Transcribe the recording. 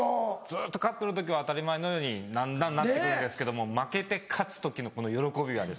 ずっと勝ってる時は当たり前のようにだんだんなって来るんですけども負けて勝つ時のこの喜びは。